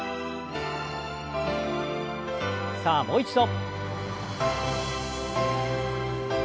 さあもう一度。